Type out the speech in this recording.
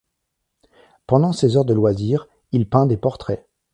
Pendant ses heures de loisir, il peint des portraits.